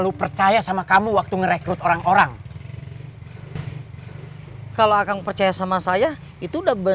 bener bener terjadi kalau kamu mau ngerekrut orang orang kalau aku percaya sama saya itu udah bener